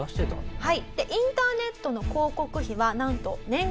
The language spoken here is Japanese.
はい。